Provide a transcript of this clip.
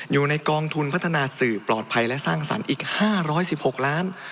อยู่ในกองทุนพัฒนาสื่อปลอดภัยและสร้างสรรค์อีก๕๑๖ล้าน